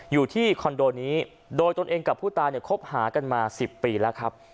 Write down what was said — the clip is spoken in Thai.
อยู่ที่คอนโดนี้โดยตนเองกับผู้ตายเนี่ยคบหากันมา๑๐ปีแล้วครับ